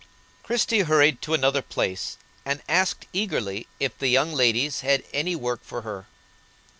Christie hurried to another place, and asked eagerly if the young ladies had any work for her.